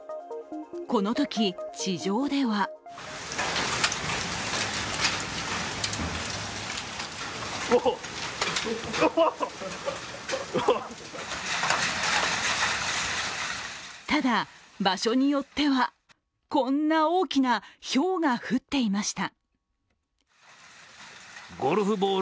このとき地上ではただ、場所によってはこんな大きなひょうが降っていました。